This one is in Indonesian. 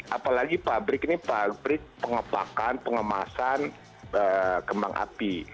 apalagi pabrik ini pabrik pengepakan pengemasan kembang api